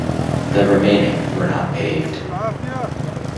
The remaining were not paved.